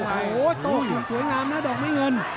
โหโตอยู่สวยงามนะดอกไม้เงิน